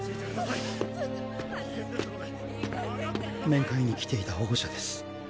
面会に来ていた保護者です。